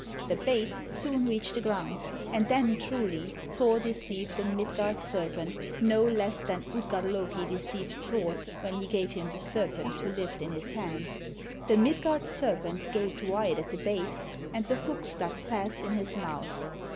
The bait soon reached the ground, and then truly Thor deceived the Midgard serpent no less than Utgard Loki deceived Thor when he gave him the serpent to lift in his hand. The Midgard serpent gaped wide at the bait, and the hook stuck fast in his mouth.